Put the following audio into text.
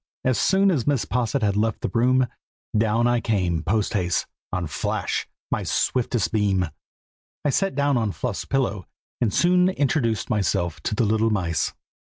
As soon as Mrs. Posset had left the room, down I came post haste, on Flash, my swiftest beam. I sat down on Fluff's pillow, and soon introduced myself to the little mice.